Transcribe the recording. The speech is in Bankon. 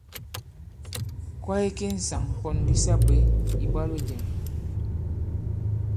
Kwaye ki ŋsàŋ pōn di sa bwě, ìbwalo jɛ̄ŋ!